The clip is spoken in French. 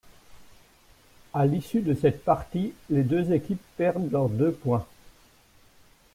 À l'issue de cette partie, les deux équipes perdent leurs deux points.